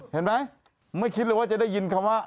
เห็นไหมไม่คิดเลยว่าจะได้ยินคำว่า